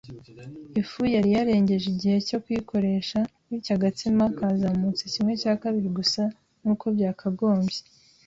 Ifu yari yarengeje igihe cyo kuyikoresha, bityo agatsima kazamutse kimwe cya kabiri gusa nkuko byakagombye.